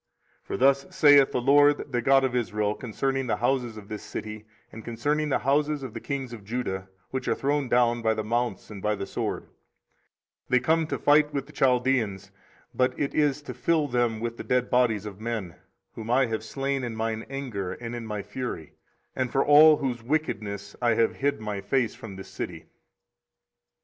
24:033:004 For thus saith the LORD, the God of Israel, concerning the houses of this city, and concerning the houses of the kings of Judah, which are thrown down by the mounts, and by the sword; 24:033:005 They come to fight with the Chaldeans, but it is to fill them with the dead bodies of men, whom I have slain in mine anger and in my fury, and for all whose wickedness I have hid my face from this city.